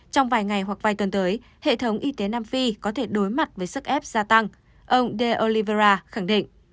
trong vài ngày hoặc vài tuần tới hệ thống y tế nam phi có thể đối mặt với sức ép gia tăng